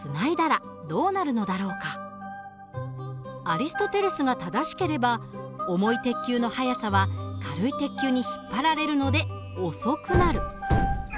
アリストテレスが正しければ重い鉄球の速さは軽い鉄球に引っ張られるので遅くなる。